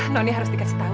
noni harus dikasih tahu